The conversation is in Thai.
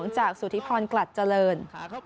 จากสุธิพรกลัดเจริญ